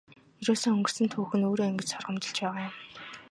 Ерөөсөө өнгөрсөн түүх нь өөрөө ингэж сургамжилж байгаа юм.